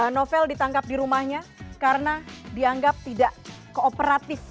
novel ditangkap di rumahnya karena dianggap tidak kooperatif